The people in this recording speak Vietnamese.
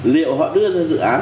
liệu họ đưa ra dự án